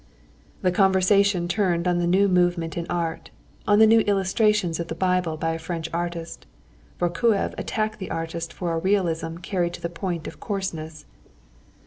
The conversation turned on the new movement in art, on the new illustrations of the Bible by a French artist. Vorkuev attacked the artist for a realism carried to the point of coarseness.